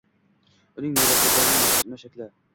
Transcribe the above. uning merosxo‘rlarining yozma shaklda